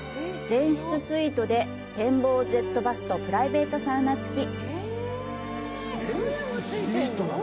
全室スイートで展望ジェットバスとプライベートサウナ付き。